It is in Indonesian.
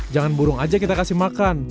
jangan burung aja kita kasih makan